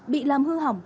bị làm hư hỏng